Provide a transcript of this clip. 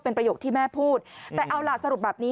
เป็นประโยคที่แม่พูดแต่เอาล่ะสรุปแบบนี้